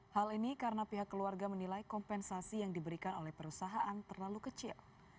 hal ini karena pihak keluarga menilai kompensasi yang diberikan oleh perusahaan terlalu kecil